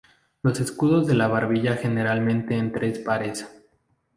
Los escudos de la barbilla generalmente en tres pares.